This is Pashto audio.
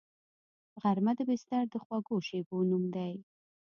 غرمه د بستر د خوږو شیبو نوم دی